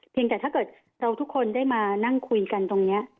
แต่ถ้าเกิดเราทุกคนได้มานั่งคุยกันตรงนี้